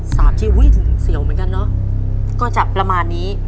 สามชีวิตอุ้ยถึงเสี่ยวเหมือนกันเนอะก็จะประมาณนี้